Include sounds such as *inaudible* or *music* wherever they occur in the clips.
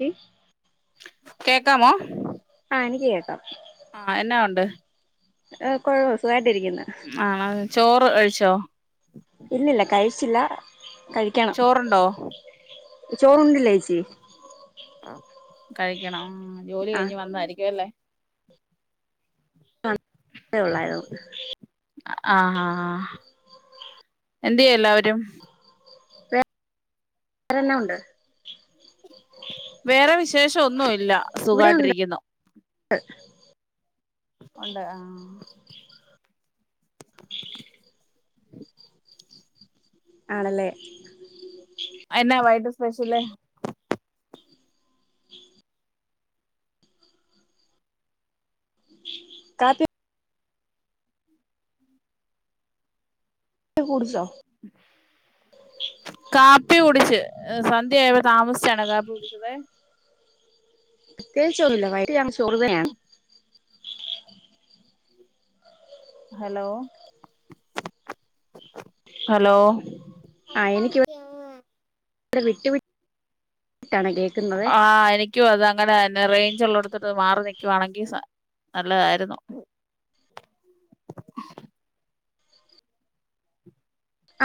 ക്ക് കേക്കാമോ ആ എനിക്ക് കേക്കാം ആഹ എന്നാ ഉണ്ട് കൊറോസോ ആണോ ചോറ് കഴിച്ചോ ഇല്ലല്ല കഴിച്ചില്ല ചോറണ്ടോ ചോറണ്ടില്ല ചേച്ചി കഴിക്കണം ആ ജോലി കഴിഞ്ഞ് വന്നായിരിക്കും അല്ലേ അേ ഉള്ളായിരുന്നു എന്്യാ എല്ലാവരും വരന്നാ ഉണ്ട് വേറെ വിശേഷം ഒന്നും ഇല്ല സുഖാട്ടിരിക്കുന്നു ആ ഉണ്ട് ആഹ ആണല്ലേ എന്നാ വൈട്ട് സ്പെഷ്യല്േ കാപ്പി കുൂറജോ *unintelligible* ഉ *inaudible* കാപ്പി കുടിച്ച് സന്ധ്യയ്കഴിഞ്ഞ താമസിച്ചാണ് കാപ്പി കുടിച്ചതെ തേച്ചോന്നില്ല വയട്ട ഞാൻ ചെറുതയാണ് ഹലോ ഹലോ കട്ടക്ക്യോമ്മ അവിടെ വിട്ടു വി ആഹ് എനിക്കും അത് അങ്ങനെ ഞ്ഞെ റേഞ്ച് ഉള്ളാടുത്തിട്ട് മാറി നി ക്ക് വാണെങ്കിൽ സ നല്ലതായിരുന്നു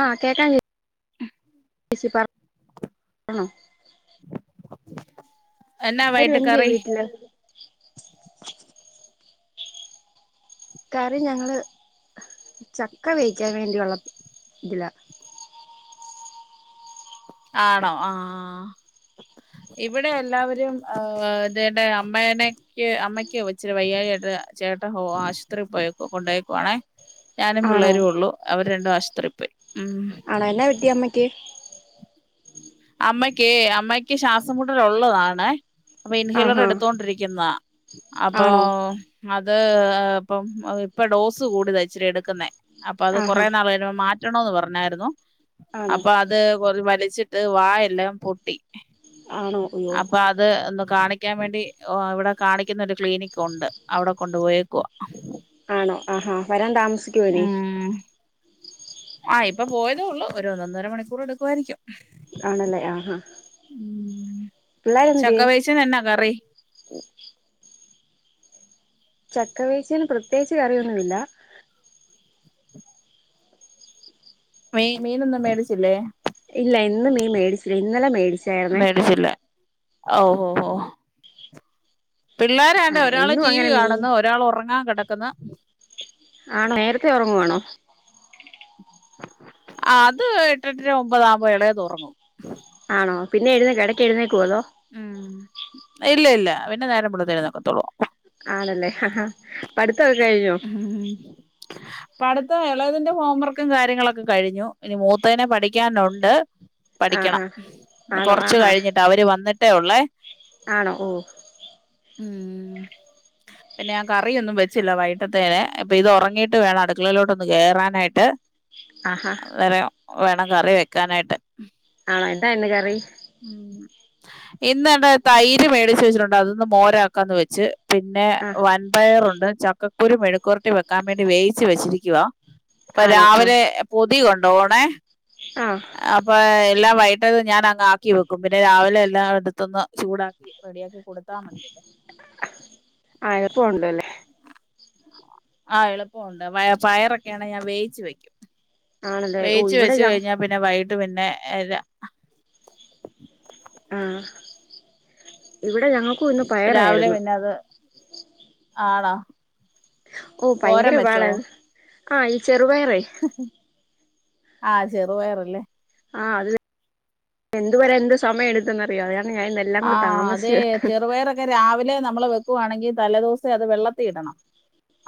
ആഹ കേക്കാ ബസി പറോ *unintelligible* എന്നാ വരും വൈകിട്ട് എന്ന്ത്യാ കറി വീട്ടില് *unintelligible* കാര്യം ഞങ്ങള് ചക്ക വേവിക്കാൻ വേണ്ടിയുള്ള ഇതിലാ ആണോ ആഹ ഇവിടെ എല്ലാവരും ഇതന്റെ അമ്മേനക്ക് അമ്മയ്ക്ക ഒച്ചിരി വയ്യായിക ത ചേട്ട ഹോ ആശുപത്രിയിൽ പോയേക്കുവ കൊണ്ടയേക്കുവാണേ ഞാനും ആണോ പിള്ളേരു ഉള്ളു അവര് രണ്ടും ആശുപത്രി പോയി ഉം ആണോ എന്നാ വറ്റിയമ്മക്ക് അമ്മയ്ക്ക് അമ്മയ്ക്ക് ശ്വാസംമുട്ടലൊള്ളതാണ് അപ്പൊ ഇൻഹേലർ ആഹാ എടുത്തൊണ്ടിരിക്കുന്ന അപ്പൊ ആണോ അ അത് ഇപ്പം ഇപ്പൊ ഡോസ് കൂടതലാ ഇച്ചിരി എടുക്കുന്നേ അപ്പൊ അത് ആഹാ കുറേ നാൾ വരുമ്പോ മാറ്റണോന്ന് പറഞ്ഞായിരുന്നു ആണോ അപ്പൊ അത് കൊറവലിച്ചി ത് വാ എല്ലാം പൊട്ടി ആണോ അയ്യോ അപ്പൊ അത് ഒന്ന് കാണിക്കാൻ വേണ്ടി ഓ അവിടെ കാണിക്കുന്ന ഒരു ക്ലീനിക്കുണ്ട് അവിടെ കൊണ്ടു പോയേക്കുവാ ആണോ ആഹാ വരാൻ താമസിക്കുവോ ഇനി ആഹ് ഇപ്പൊ പോയതേ ഉള്ളൂ ഒരു ഒന്ന ഒന്നര മണിക്കൂർ എടുക്കുായിരിക്കും അണല്ലേ ആഹ ചക്ക വേവിച്ചേനെഞ്ഞാ കറി ചക്കവേച്ചിയന് പ്രത്യേകിച്ച് കറിയൊന്നുവില്ല മീ മീനൊന്നും മേടിച്ചില്ലേ ഇല്ല ഇന്നും മീ മേടിച്ചില്ല ഇന്നലെ മേടിച്ച മേടിച്ചില്ലേ ഓ ഓ ഓ ആ പിള്ളോരണ്ട ഒരാള് എന്നും ടിവി അങ്ങനെ മീൻ കാണുന്നു ഒരാൾ ഉറങ്ങാൻ കെടക്കുന്നു ആണോ നേരത്തെ ഉറങ്ങുവാണോ ആ അത് എട്ട എട്ടര ഒമ്പതാുമ്പോ ഇളയ തുറങ്ങും ആണോ പിന്നെ എഴുന്നേക്കൊ എടക്ക് എഴുന്നേക്കൊ അതോ ഉം ഇല്ല ഇല്ല പിന്നെ നേരം മെളുതെഴുന്നേക്കത്തൊള്ളൂ ആണല്ലേ ഹ ഹ പഠിത്തവൊക്ക കഴിഞ്ഞോ പഠത്ത എളതിന്റെ ഹോം വർക്കും കാര്യങ്ങളൊക്കെ കഴിഞ്ഞു ഇനി മൂത്തേനെ പഠിക്കാനുണ്ട് ആ പഠിക്കണം ആ ആണോ കൊറച്ച് ആഹാ കഴിഞ്ഞിട്ട് അവര് വന്നിട്ടേ ഉള്ളേ ആണോ ഓ ഉം പിന്നെ ഞാൻ കറിയൊന്നും വെച്ചില്ല വൈ അപ്പൊ ഇത് ഉറങ്ങിയിട്ട് വേണം അടുക്കളയിലോട്ടൊന്ന് കേറാനായിട്ട് ആഹാ അന്നേരം വേണം കറി വെക്കാനായിട്ട് ആണ എന്താ ഇന്ന് കറി ഇന്ന എന്ത തൈര് മേടിച്ച് വെച്ചിട്ടുണ്ട് അതൊന്ന് മോരാക്കാന്ന് വെച്ച് പിന്നെ ആ വൻപയറുണ്ട് ചക്കക്കുരു മെഴുക്കുരട്ടി വെക്കാൻ വേണ്ടി വേയിച്ച് വെച്ചിരിക്കുവ അപ്പൊ ആണോ ആ രാവിലെ പൊതി കൊണ്ടോണേ ആ അപ്പൊ എല്ലാം വൈകിത് ഞാൻ അങ് ആക്കി വെക്കും പിന്നെ രാവിലെ എല്ലാം അടുത്തൊന്ന് ചൂടാക്കി റെഡിയാക്കി കൊടുത്താ മതിയല്ലോ *unintelligible* ആഹ എപ്പോ ഉണ്ടോ അല്ലേ ആഹ എളുപ്പമുണ്ട് പയറൊക്കെയ ആണങ്കിൽ ഞാൻ വേയിച്ച് വെക്കും ആണല്ലേ ഓ വേയിച്ച് ഇവിടെ വെച്ച ഞ കഴിഞ്ഞാ പിന്നെ വൈകട്ട് പിന്നെ രാ- ആഹ ഇവിടെ എടെ ഞങ്ങക്കും ഇന്ന് രാവിലെ പയറായിരുന്നു പിന്നെ അത് ആണോ ഓ തോരൻ വെച്ചോ ഭയങ്കരപാടാണ് ആഹ ഈ ചെറുപയറേ ആഹ് ചെറുപയറല്ലേ ആഹ അത് എന്ത് വരെ എന്ത് സമയം എടുതന്ന്റിയാതെ ആഹ അതെ ചെറുപയർക്കെ രാവിലെ നമ്മള് വെക്ക്- വെക്കുവാണെങ്കിൽ തലേദിവസേ അത് വെള്ളത്തിൽ ഇടണം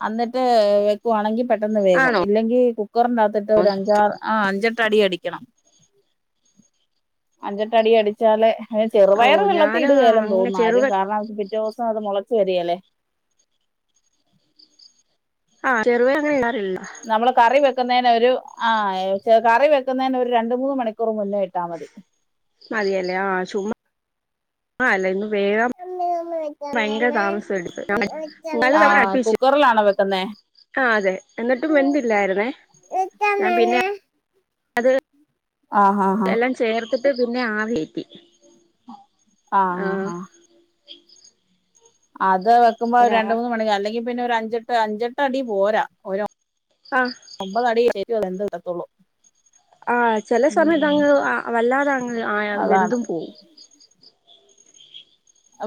അന്നിട്ടു വെക്കുവാണെങ്കിൽ പെട്ടെന്ന് വേകും ആണോ ഇല്ലെങ്കിൽ കുക്കറിനകത്തിട്ട് അഞ്ചാറു അഞ്ചേട്ടു അടി അടിക്കണം അഞ്ചട്ടടി അടിച്ചാലെ ഓ പയറു വെള്ളത്തി ഞാന് ഇടുകയാലും അങ്ങ് തോന്നുന്ന ആരും ചെറുപ കാരണം അവ *inaudible* ദിവസം അത് മുളച്ച വരികേലെ ആഹ ചെറുപയർ *inaudible* നമ്മള് കറി വെ- വെക്കുന്നതിന ഒരു ആ കറി വെക്കുന്നന് ഒരു രണ്ട മൂന്ന് മണിക്കൂർ മുന്നേ ഇട്ടാ മതി മതിയല്ലേ ആഹ ചുമ്മാ ആല്ല ഇന്ന് വേഗം ഭയങ്കര താമസം എടുത്തു നല്ല തവണ ആഹ് അടുപ്പിൽ വെച്ച് കുക്കറിലാണോ വെക്കുന്നേ ആ അതെ എന്നിട്ടും വെന്തില്ലായിരുന്നേ ഞാൻ പിന്നെ അത് ആഹ് ആഹ് എല്ലം ചേര്ത്തിട്ട് പിന്നെ ആവി കേറ്റി ആഹ ആ ആഹ് ആഹ് അത് വെക്കുമ്പോ ഒരു രാ രണ്ട മൂന്ന് മണി അല്ലെങ്കി പിന്നെ ഒരു അഞ്ചെട്ട് അഞ്ചെട്ട് അടി പോരാ ഓരോ ആ ഒമ്പതടിയേ ശരിും അത എന്ത് തത്തുള്ളൂ *unintelligible* ആ ചില സമയത്ത്ങ്ങ വല്ലാതെ അങ് ആ അതാണ് വെന്തും പോവും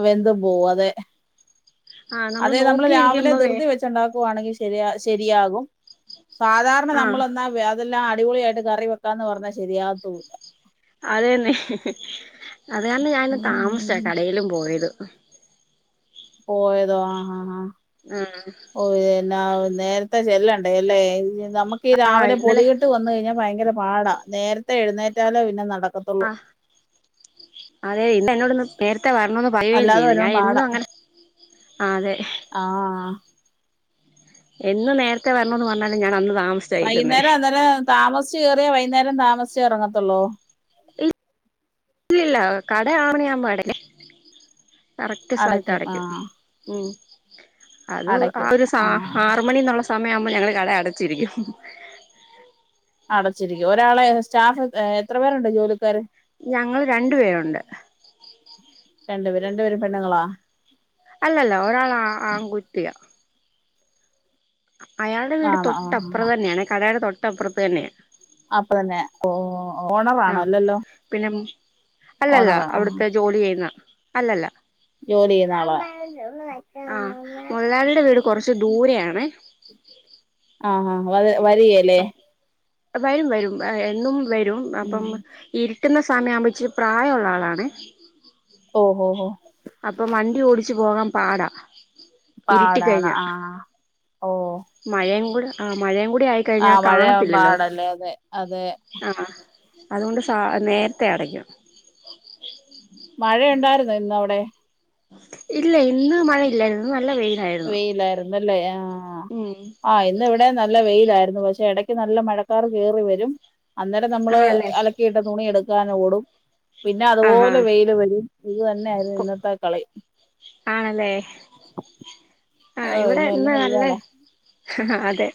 വെന്തും പോവും ആ നമ്മള് അതെ നമ്മൾ രാവിലെ നോക്കിയിരിക്കുമ്പോ വേ ധൃതി വെച്ചണ്ടാക്കുവാണെങ്കിൽ ശരി ശരിയാകും സാധാരണ ആ നമ്മൾ എന്നാൽ അതെല്ലാം അടിപൊളിയായിട്ട് കറി വെക്കാന്ന് പറഞ്ഞാ ശരിയാകത്തുമില്ല അത തന്നെ അത് തന്നെ ഞാന താമസ ഉം. കടയിലും പോയത് ആ *inaudible* പോയതോ ആ ആ ആ ആ ഓ എന്നാ നേരത്തെ ചെല്ലണ്ട അല്ലേ നമുക്ക് ഈ ആ രാവിലെ ഇന്നലെ പൊതുകിട്ട് വന്ന കഴിഞ്ഞാൽ ഭയങ്കര പാടാ നേരത്തെ എഴുന്നേറ്റാലോ പിന്നെ നടക്ക ആ് അതെ ഇന്ന് എന്നോടൊന്ന് നേരുത്തേ ഇ വരണന്ന് പറയുകയും അല്ലാതെ ചെയ്തു വരുമ്പോ ഞാൻ എന്നും പാടാ അങ്ങനെ ആ അതെ ആ ആ എന്ന് നേരത്തെ വരണന്ന് പറഞ്ഞാലും ഞാൻ അന്ന് തമാ - വൈകുന്നേരം അന്നേരം താമസിച്ചുകേറിയ വൈകുന്നേരം താമസിച്ചെ ഇറങ്ങത്തൊള്ളോ ഇല്ലില്ല കട ആറുണിയാവുമ്പോ അടക്കും കറക്റ്റ് സമയത്ത് അടയ്ക്കും ഉം അത് ആ അടയ്ക്കും ഒരു സ ആഹ് ആറ് മണിന്നൊള്ള സമയാവുമ്പോ ഞങ്ങള് കട അടച്ചിരിക്കും അടച്ചിരിക്കും ഒരാളെ സ്റ്റാഫ് എത്ര പേരുണ്ട് ജോലിക്കാര് ഞങ്ങള് രണ്ടുപേരുണ്ട് രണ്ടുപേര് രണ്ടുപേര് പെണ്ണുങ്ങളാ അല്ലല്ല ഒരാൾ ആ ആൺകുട്ടിയാ അയാളുടെ വീട് ആണോ ആഹ് ആഹ് തൊട്ടപ്പുറതന്നെയാണ് കടയുടെ തൊട്ടപ്പുറത്തുതന്നെയാ അപ്പൊ തന്നെ ആ ഓണറാണോ അല്ലല്ലോ പിന്നെ അല്ലല്ല ഓണറാണ് ആഹ് അവിടുത്തെ ജോലി ചെയ്യുന്ന അല്ലല്ല ജോലി നാളെ ആ മൊതലാളിടെ വീട് കുറച്ചു ദൂരെയാണെ ആ വത് വരികേല്ലേ വരും വരും എന്നും വരും ഉം അപ്പം ഇരി കിട്ടുന്ന സമയമാവുമ്പോ ഇച്ചിരി പ്രായമുള്ള ആളാണ് ഓ ഓ ഹോ അപ്പൊ വണ്ടി ഓടിച്ചു പോകാൻ പാടാ ഇരുട്ടി പാടാണ് കഴിഞ്ഞ ആ മഴയും കൂടെ ആ മഴയും കൂടെ ടെ ആയിക്കഴിഞ്ഞാ ആഹ് മഴയാവാൻ കാണത്തില്ലല്ലോ പാടല്ലേ അതെ അതെ ആ അതുകൊണ്ട് സാ നേരത്തെ അടയ്ക്കും മഴയുണ്ടായിരുന്നോ ഇന്ന് അവിടെ ഇല്ല ഇന്ന് മഴ ഇല്ലാരുന്നു ഇന്ന് ന വെയിലായിരുന്നല്ലേ ആ ഉം ആ ഇന്ന് ഇവിടെ ഇവിടെ നല്ല വെയിലായിരുന്നു പക്ഷെ ഇടയ്ക്ക് നല്ല മഴക്കാറ് കേറി വരും അന്നേരം നമ്മള് ആണല്ലേ അലക്കിയിട്ട തുണി എടുക്കാനോടും പിന്നെ ആഹാ അതുപോലെ വെയില് വരും ഇതുതന്നെയായിരുന്നു ഇന്നത്തെ കളി ആണല്ലേ ആ ഓ ഇവിടെ പിന്നെ എന്നാ ഇന്ന് നല്ല ചെയ്യാനാ ആ അതെ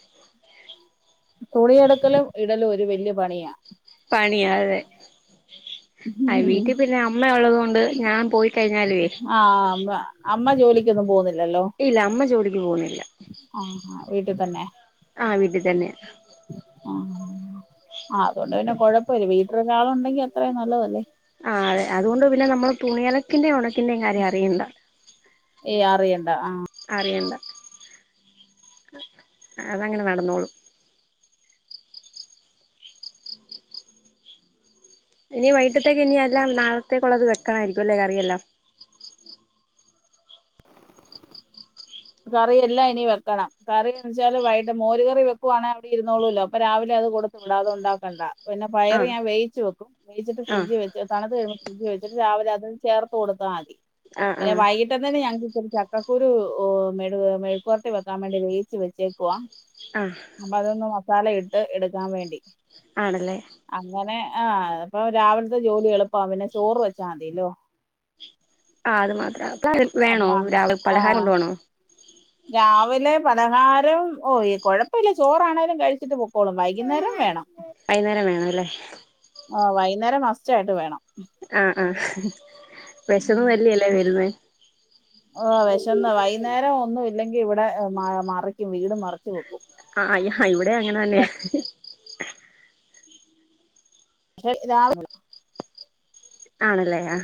തുണിയെടുക്കലും ഇടലും ഒരു വല്യ പണിയാ പണിയാ അതെ അയ് വീട്ടിൽ പിന്നെ അമ്മയുള്ളത് കൊണ്ട് ഞാൻ പോയി കഴിഞ്ഞാലുവേ ആ അമ്മ അമ്മ ജോലിക്കൊന്നും പോന്നി ഇല്ല അമ്മ ജോലിക്ക് പോന്നില്ല ആ ആ വീട്ടിൽ തന്നെ ആ വീട്ടിൽ തന്നെ ആ ആ അതുകൊണ്ട് പിന്നെ കൊഴപ്പല്ല വീട്ടിൽ ഒരാള് ഉണ്ടെങ്കി അത്രയും നല്ലതല്ലേ ആ അതെ അതുകൊണ്ട് പിന്നെ നമ്മള് തുണിയലക്കിന്റെയും ഉണക്കിന്റെയും കാര്യം അറിയണ്ട ഏയ് അറിയണ്ട ആ അറിയണ്ട അതങ്ങനെ നടന്നോളും ഇനി വൈകിട്ടത്തേക്ക് ഇനി എല്ലാം നാളത്തേക്കുള്ളത് വെക്കണായിരിക്കും അല്ലേ കറിയെല്ലാം കറി എല്ലാം ഇനി വെക്കണം കറി വെച്ചാല് വൈട്ട് മോര് കറി വെക്കുവാണെ അവിടെ ഇരുന്നോളൂവല്ലോ അപ്പൊ രാവിലെ കൊടുത്തുവിടാംഅതുണ്ടാക്കണ്ട പിന്നെ ആ പയറ് ഞാൻ വേവിച്ച് വെക്കും വേവിച്ചിട്ട് ആ ഫ്രിഡ്ജ് വെച്ച് തണുത്തു കഴിയുമ്പം ഫ്രിഡ്ജി വെച്ചിട്ട് രാവിലെ അതുചേർത്ത് കൊടുത്താമതി ആ ആ പിന്നെ വൈകിട്ടത്തേന് ഞങ്ങക്ക് ചക്കക്കൂരു ഉ മെഴു മെഴുക്കുവരട്ടി വെക്കാൻ വേണ്ടി വേവിച്ച് വെച്ചേക്കുവാ ആ അപ്പൊ അതൊന്ന് മസാല ഇട്ട് എടുക്കാൻവേണ്ടി ആണല്ലേ അങ്ങനെ ആ അപ്പൊ രാവിലത്തെജോലി എളുപ്പാ പിന്നെ ചോറുവെച്ചാ മതില്ലോ ആ അത് മാത്ര പ്പ വേണോ രാവിലെ ആ പലഹാരം കൊണ്ടുപോണോ രാവിലെ പലഹാരം ഓ കുഴപ്പമില്ല ചോറാണേലും കഴിച്ചിട്ട് പൊക്കോളും വൈകുന്നേരം വേണം വൈകുന്നേരം വേണം അല്ലേ ആ വൈകുന്നേരം മസ്റ്റായിട്ട് വേണം ആ ആ വെശന്ന് വലഞല്ലേ വരുന്നെ ചെന്നാ വൈകുന്നേരം ഒന്നും ഇില്ലെങ്കിൽ ഇവിടെ മ മറിക്കും വീട് മറിച്ച് വെക്കും ആ അ ഇവിടെ അങ്ങനെ തന്നെ പക്ഷെ രാവിലെ ആണല്ലേ ആ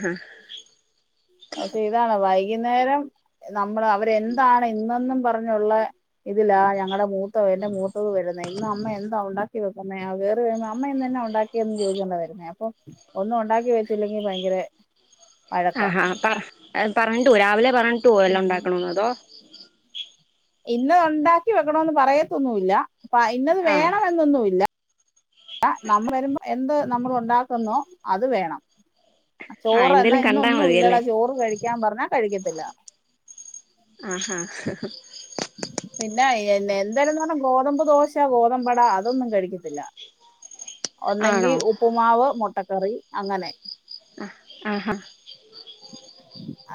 പക്ഷെ ഇതാണ് വൈകുന്നേരം നമ്മള് അവരെന്താണ് ഇന്നൊന്നും പറഞ്ഞുള്ള ഇതിലാ ഞങ്ങളുടെ മൂത്ത എന്റെ മൂത്തത് വരുന്നത് ഇന്ന് അമ്മ എന്താ ഉണ്ടാക്കി വെക്കുന്നെ കേറി വരുമ്പം അമ്മന്ന് എന്നാ ഉണ്ടാക്കിയന്ന് ചോദിച്ചൊണ്ട വരുന്നേ അപ്പൊ ഒന്ന് ഒന്നും ഉണ്ടാക്കി വെച്ചില്ലെങ്കിൽ ഭയങ്കര വഴക്ക ആ ഹാ പറഞ്ഞിട്ട് പോ രാവിലെ പറഞ്ഞിട്ട് പോ വല്ലോം ഉണ്ടാക്കണന്ന് അതോ ഇന്നത് ഉണ്ടാക്കി വെക്കണൊന്ന് പറയത്തൊന്നുമില്ല ഇന്നത് ആ വേണെന്നൊന്നുല്ല നമ്മ വരുമ്പോ എന്ത് നമ്മളുണ്ടാക്കുന്നോ അത് വേണം ആ ചോറ് എന്നാ എന്തേലും കണ്ടാ ഇന്നൊന്നും ഇല്ലടാ മതിയല്ലേ ചോറ് കഴിക്കാൻ പറഞ്ഞാ കഴിക്കത്തില്ല ആഹഹാ പിന്നെ എന്തലും പറഞ്ഞാ ഗോതമ്പ് ദോശ ഗോതമ്പട അതൊന്നും കഴിക്കത്തില്ല. ഒന്നെങ്കി ആണോ ഉപ്പുമാവ് മുട്ടക്കറി അങ്ങനെ ആഹാ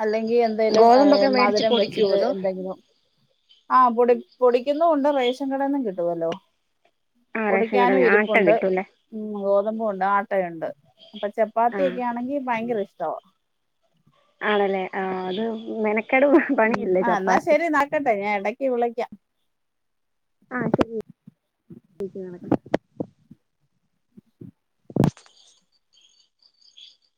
അല്ലെങ്കി എന്തേലും മേടിച്ച് മധുരം പൊടിക്കുവോ വെച്ചിട്ട് അതോ എന്തെങ്കിലും ആഹ് പൊടി പൊടിക്കുന്നു ഉണ്ട് റേഷൻ കടൊന്നും കിട്ടുവല്ലോ ആ റേഷൻ പൊടിക്കാനും കടേന്ന് ആട്ട ഇരിപ്പുണ്ട് കിട്ടൂല്ലേ ഗോതമ്പുണ്ട് ആട്ടയുണ്ട് അപ്പൊ ആ ചപ്പാത്തിയെക്കെ ആണെങ്കി ഭയങ്കര ഇഷ്ടവാ ആണല്ലേ ആ അത് മന ഉം ആ എന്നാ ശരി നടക്കട്ടെ ഞാൻ എടക്ക് വിളിക്കാം ആ ശരി *unintelligible*